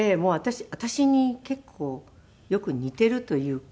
私に結構よく似ているというか。